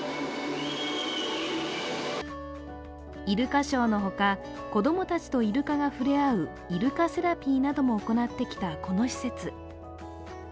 イルカショーのほか子供たちとイルカが触れ合うイルカセラピーなども行ってきたこの施設。